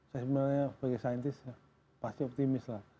saya sebenarnya sebagai saintis pasti optimis lah